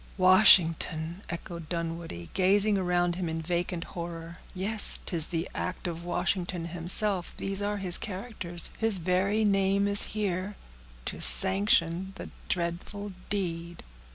"Washington!" echoed Dunwoodie, gazing around him in vacant horror. "Yes, 'tis the act of Washington himself; these are his characters; his very name is here, to sanction the dreadful deed."